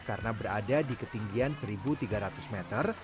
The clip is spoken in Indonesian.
karena berada di ketinggian seribu tiga ratus meter